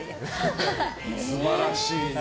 素晴らしいですね。